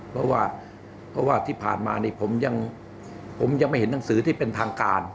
เพราะว่าที่ผ่านมานี่ผมยังไม่เห็นหนังสือที่เป็นทางการ